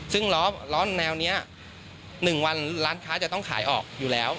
ซึ่งล้อแนวนี้๑วันร้านค้าจะต้องขายออกอยู่แล้ว